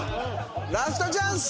ラストチャンス！